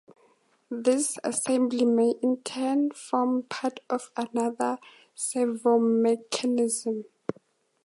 This assembly may in turn form part of another servomechanism.